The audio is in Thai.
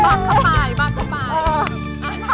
บังคับไป